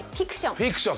フィクション。